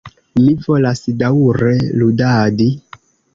Mi volas daŭre ludadi.